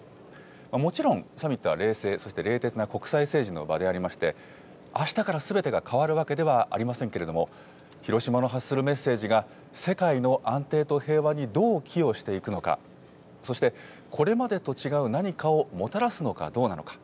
もちろん、サミットは冷静、そして冷徹な国際政治の場でありまして、あしたからすべてが変わるわけではありませんけれども、広島の発するメッセージが、世界の安定と平和にどう寄与していくのか、そして、これまでと違う何かをもたらすのかどうなのか。